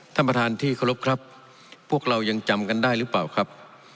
ท่านประธานที่เคารพครับพวกเรายังจำกันได้หรือเปล่าครับ